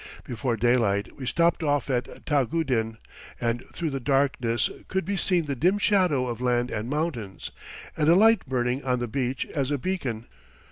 Before daylight we stopped off Tagudin, and through the darkness could be seen the dim shadow of land and mountains, and a light burning on the beach as a beacon.